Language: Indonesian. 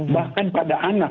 bahkan pada anak